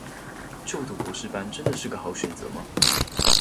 就讀博士班真的是個好選擇嗎